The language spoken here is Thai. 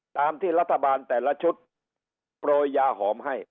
ตามที่รัฐบาลแต่ละชุดโปรยยาหอมให้